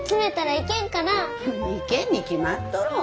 いけんに決まっとろう。